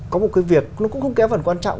có một cái việc nó cũng không kéo phần quan trọng